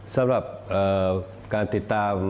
สำหรับการติดตาม